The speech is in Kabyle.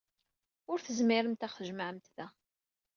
Ur tezmiremt ad aɣ-tjemɛemt da.